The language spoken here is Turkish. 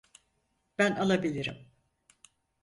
Ben alabilirim.